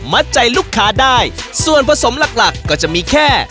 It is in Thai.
มัดใจลูกค้าได้ส่วนผสมหลักจะมีแค่